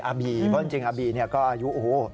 บีเพราะจริงอาบีเนี่ยก็อายุโอ้โห